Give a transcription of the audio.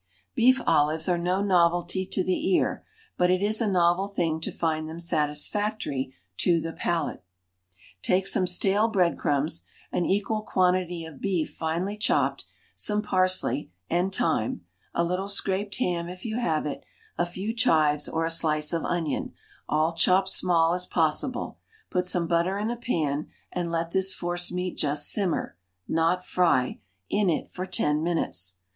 BEEF OLIVES are no novelty to the ear, but it is a novel thing to find them satisfactory to the palate. Take some stale bread crumbs, an equal quantity of beef finely chopped, some parsley, and thyme; a little scraped ham if you have it, a few chives, or a slice of onion, all chopped small as possible; put some butter in a pan, and let this force meat just simmer, not fry, in it for ten minutes.